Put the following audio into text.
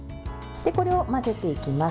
これを混ぜていきます。